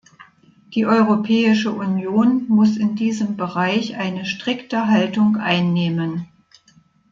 Die Europäische Union muss in diesem Bereich eine strikte Haltung einnehmen.